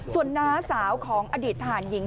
ส่วนน้าสาวของอดีตทหารหญิง